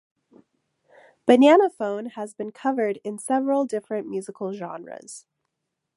"Bananaphone" has been covered in several different musical genres.